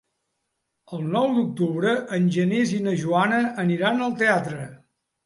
El nou d'octubre en Genís i na Joana aniran al teatre.